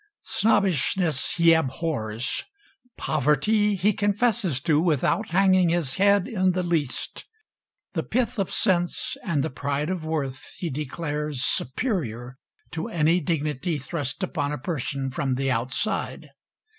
Snobbishness he abhors; poverty he confesses to without hanging his head in the least; the pith of sense and the pride of worth he declares superior to any dignity thrust upon a person from the outside.